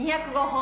２０５本⁉